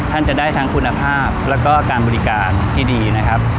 ท่านจะได้ทั้งคุณภาพแล้วก็การบริการที่ดีนะครับ